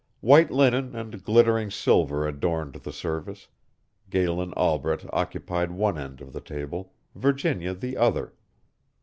White linen and glittering silver adorned the service, Galen Albret occupied one end of the table, Virginia the other.